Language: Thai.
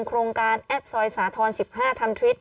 กล้องกว้างอย่างเดียว